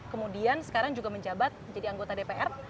kemudian sekarang juga menjabat jadi anggota dpr